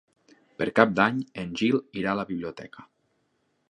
Per Cap d'Any en Gil irà a la biblioteca.